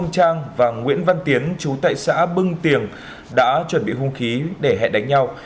ông trang và nguyễn văn tiến chú tại xã bưng tiền đã chuẩn bị hung khí để hẹn đánh nhau